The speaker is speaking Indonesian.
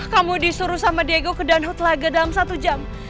kamu disuruh sama diego ke danhutlage dalam satu jam